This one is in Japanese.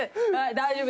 大丈夫？